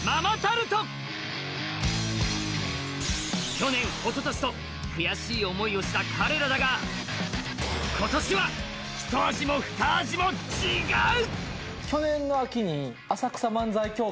去年、おととしと悔しい思いをした彼らだが今年は、ひと味もふた味も違う。